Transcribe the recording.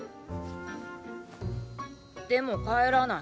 でも帰らない。